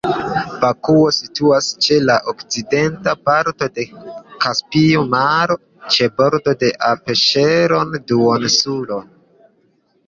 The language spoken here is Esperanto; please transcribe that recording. Bakuo situas ĉe la okcidenta parto de Kaspia Maro, ĉe bordo de Apŝeron-duoninsulo.